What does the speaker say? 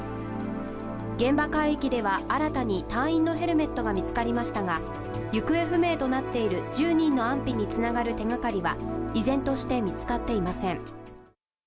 現場海域では新たに隊員のヘルメットが見つかりましたが行方不明となっている１０人の安否につながる手がかりは依然として見つかっていません。